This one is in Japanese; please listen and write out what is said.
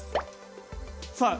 さあ